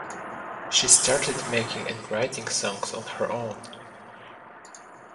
She started making and writing songs on her own.